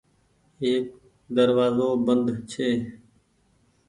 ايڪ دروآزو بند ڇي۔